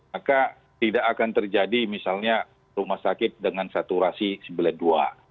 maka tidak akan terjadi misalnya rumah sakit dengan saturasi sebelah dua